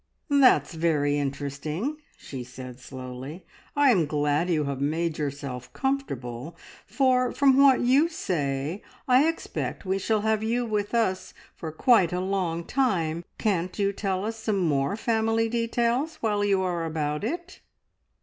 "That's very interesting!" she said slowly. "I am glad you have made yourself comfortable, for from what you say I expect we shall have you with us for quite a long time. Can't you tell us some more family details while you are about it?"